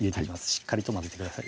しっかりと混ぜてください